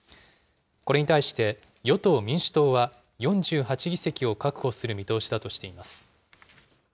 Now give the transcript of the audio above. これに対して与党・民主党は、４８議席を確保する見通しだとしています。